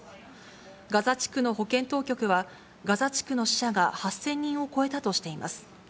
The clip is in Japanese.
ガザ地区の保健当局は、ガザ地区の死者が８０００人を超えたとしています。